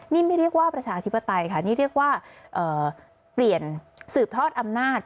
นี่ไม่เรียกว่าประชาธิปไตยค่ะนี่เรียกว่าเปลี่ยนสืบทอดอำนาจ